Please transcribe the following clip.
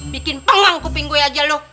bikin pengang kuping gua aja lu